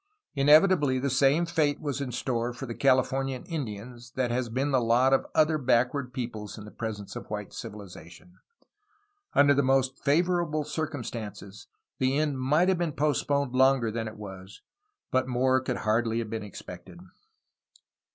Inevitably the same fate was in store for the Califomian Indians that has been the lot of other backward peoples in the presence of white civilization. Under the most favorable circumstances the end might have been postponed longer than it was, but more could hardly have been expected.